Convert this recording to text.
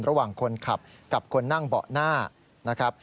ระหว่างคนขับกับคนนั่งเบาะหน้า